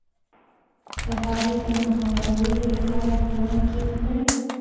د هغې د مهارولو لپاره پلان جوړ کړي.